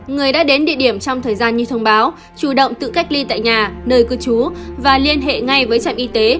người đã đến địa điểm trong thời gian như thông báo chủ động tự cách ly tại nhà nơi cư trú và liên hệ ngay với trạm y tế